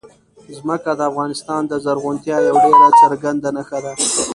ځمکه د افغانستان د زرغونتیا یوه ډېره څرګنده نښه ده.